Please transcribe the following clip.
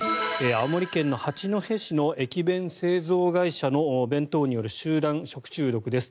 青森県の八戸市の駅弁製造会社の弁当による集団食中毒です。